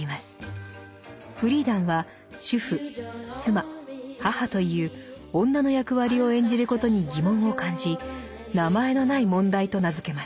フリーダンは主婦・妻・母という「女の役割」を演じることに疑問を感じ「名前のない問題」と名付けます。